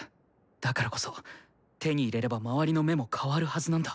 だからこそ手に入れれば周りの目も変わるはずなんだ。